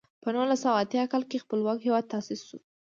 په نولس سوه اتیا کال کې خپلواک هېواد تاسیس شو.